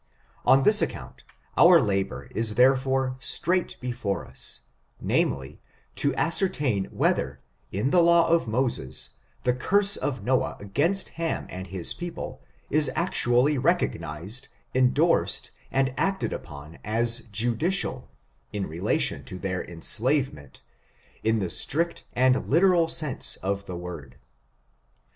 On this account, our labor is therefore straight be fore us, namely, to ascertain whether, in the law of Moses, the curse of Noah against Ham and his people, is actually recognized, indorsed, and acted upon as judicial, in relation to their enslavement, in the strict and literal sense of the word.